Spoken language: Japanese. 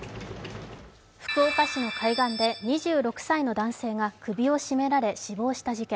福岡市の海岸で２６歳の男性が首を絞められて死亡した事件。